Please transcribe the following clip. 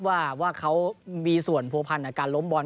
ว่าเค้ามีส่วนโปรพันธ์การล้มบอล